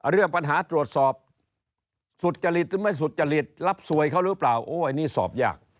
เรื่องปัญหาตรวจสอบ